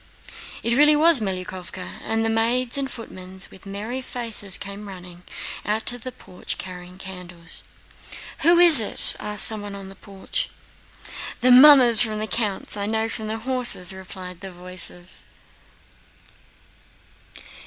It really was Melyukóvka, and maids and footmen with merry faces came running, out to the porch carrying candles. "Who is it?" asked someone in the porch. "The mummers from the count's. I know by the horses," replied some voices.